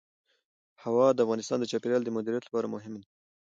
هوا د افغانستان د چاپیریال د مدیریت لپاره مهم دي.